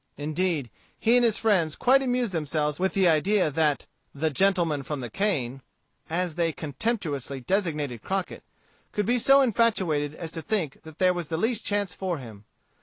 Indeed, he and his friends quite amused themselves with the idea that "the gentleman from the cane," as they contemptuously designated Crockett, could be so infatuated as to think that there was the least chance for him.